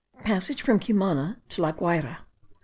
PASSAGE FROM CUMANA TO LA GUAYRA.